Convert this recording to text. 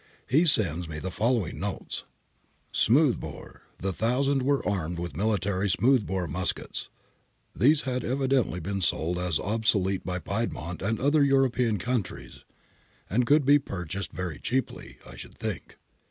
He sends me the following notes :—' Smooth bore. — The Thousand were armed with military smooth bore muskets. These had evidently been sold as obsolete by Piedmont and other European countries ; and could be purchased very cheaply, I should think.